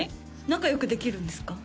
仲良くできるんですか？